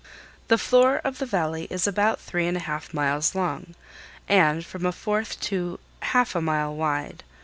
The floor of the Valley is about three and a half miles long, and from a fourth to half a mile wide.